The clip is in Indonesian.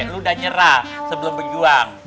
lu udah nyerah sebelum berjuang